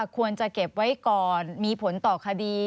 ควรจะเก็บไว้ก่อนมีผลต่อคดี